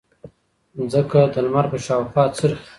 ځمکه د لمر په شاوخوا څرخي.